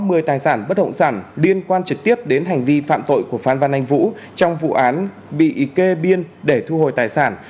một mươi tài sản bất động sản liên quan trực tiếp đến hành vi phạm tội của phan văn anh vũ trong vụ án bị kê biên để thu hồi tài sản